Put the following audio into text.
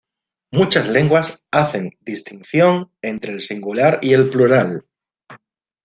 Muchas lenguas hacen distinción entre el singular y el plural.